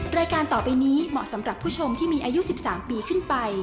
รายการต่อไปนี้เหมาะสำหรับผู้ชมที่มีอายุ๑๓ปีขึ้นไป